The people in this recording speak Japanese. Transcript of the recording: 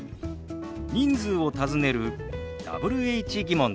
人数を尋ねるＷｈ−疑問です。